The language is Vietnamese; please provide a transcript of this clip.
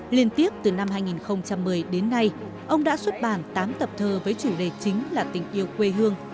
liên tiếp từ năm hai nghìn một mươi đến nay ông đã xuất bản tám tập thơ với chủ đề chính là tình yêu quê hương